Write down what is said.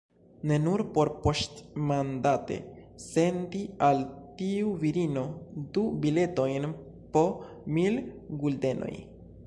Ne; nur por poŝtmandate sendi al tiu virino du biletojn po mil guldenoj.